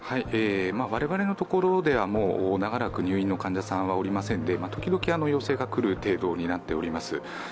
我々のところではもう長らく入院の患者さんはおりませんで、時々陽性が来る程度になっております。